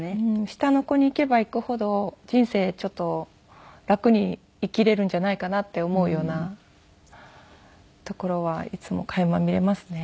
下の子にいけばいくほど人生ちょっと楽に生きれるんじゃないかなって思うようなところはいつも垣間見れますね。